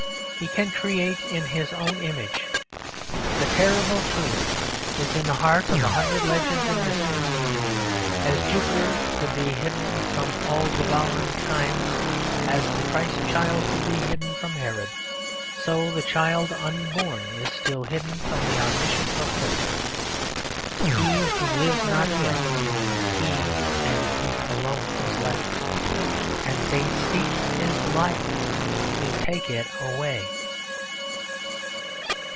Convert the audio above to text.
He can create in his own image. The terrible truth is in the heart of a hundred legends and mysteries. As Jupiter could be hidden from all devouring Time, as the Christ Child could be hidden from Herod so the child unborn is still hidden from the omniscient oppressor. He who lives not yet, he and he alone is left; and they seek his life to take it away.